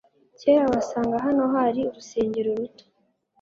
Kera wasangaga hano hari urusengero ruto.